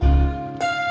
tidak ada apa apa